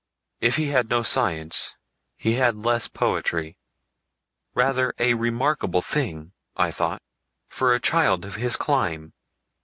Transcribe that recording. If he had no science, he had less poetry—rather a remarkable thing, I thought, for a child of his clime.